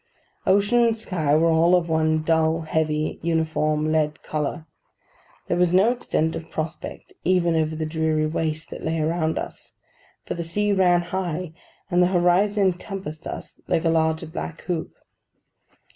Ocean and sky were all of one dull, heavy, uniform, lead colour. There was no extent of prospect even over the dreary waste that lay around us, for the sea ran high, and the horizon encompassed us like a large black hoop.